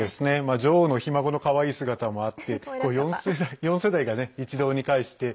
女王のひ孫のかわいい姿もあって４世代が一堂に会して。